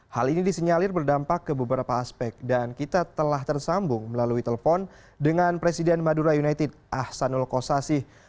hal ini disinyalir berdampak ke beberapa aspek dan kita telah tersambung melalui telepon dengan presiden madura united ahsanul kosasi